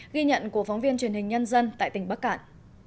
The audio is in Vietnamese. ghi nhận của phóng viên truyền hình nhân dân tại tỉnh bắc cạn